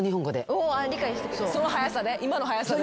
今の速さで？